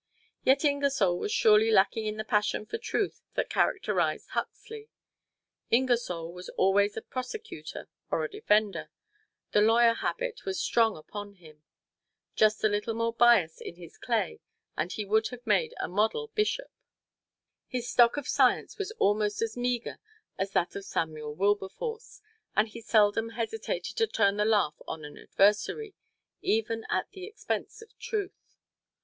Yet Ingersoll was surely lacking in the passion for truth that characterized Huxley. Ingersoll was always a prosecutor or a defender: the lawyer habit was strong upon him. Just a little more bias in his clay and he would have made a model bishop. His stock of science was almost as meager as was that of Samuel Wilberforce, and he seldom hesitated to turn the laugh on an adversary, even at the expense of truth.